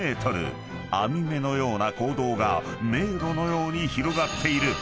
［網目のような坑道が迷路のように広がっている］